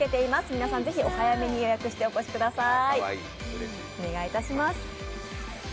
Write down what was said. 皆さんぜひお早めに予約してお越しください。